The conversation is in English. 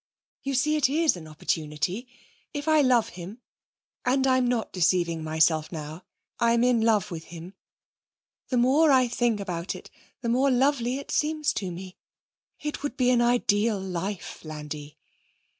You see, it is an opportunity, if I love him and I'm not deceiving myself now. I'm in love with him. The more I think about it the more lovely it seems to me. It would be an ideal life, Landi.'